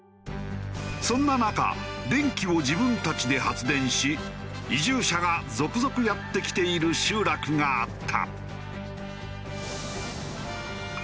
そんな中電気を自分たちで発電し移住者が続々やって来ている集落があった。